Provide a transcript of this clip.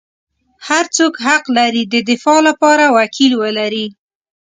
هر څوک حق لري د دفاع لپاره وکیل ولري.